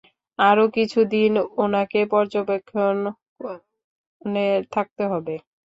আরও কিছু দিন ওনাকে পর্যবেক্ষণে থাকতে হবে।